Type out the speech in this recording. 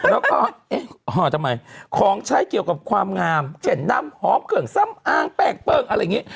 แล้วก็ของใช้เกี่ยวกับความงามเจ็ดน้ำหอมเกลืองซ้ำอ้างแป้งเปิ้ลอะไรอย่างนี้